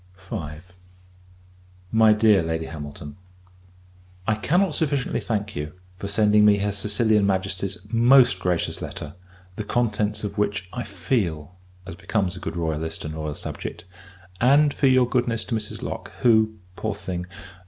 V. MY DEAR LADY HAMILTON, I cannot sufficiently thank you, for sending me her Sicilian Majesty's most gracious letter; the contents of which I feel, as becomes a good royalist, and loyal subject: and for your goodness to Mrs. Lock; who, poor thing!